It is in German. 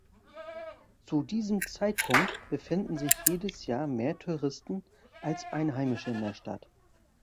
Zu diesem Zeitpunkt befinden sich jedes Jahr mehr Touristen als Einheimische in der Stadt.